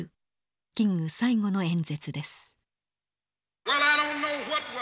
キング最後の演説です。